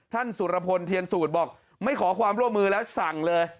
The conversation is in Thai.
สุรพลเทียนสูตรบอกไม่ขอความร่วมมือแล้วสั่งเลย